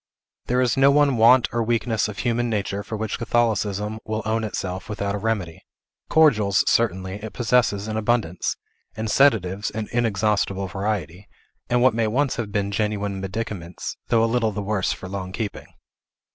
There is no one want or weakness of human nature for which Catholicism will own itself without a remedy; cordials, certainly, it possesses in abundance, and sedatives in inexhaustible variety, and what may once have been genuine medicaments, though a little the worse for long keeping.